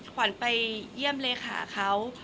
ขวัญไปเยี่ยมเลขาเขา